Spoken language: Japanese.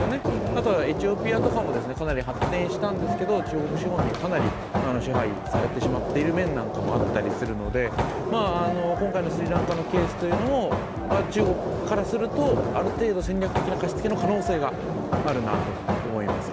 あとはエチオピアとかもかなり発展したんですけど中国資本にかなり支配されている面もあったりするので今回のスリランカのケースも中国からすると、ある程度、戦略的な貸し付けの可能性があるなと思います。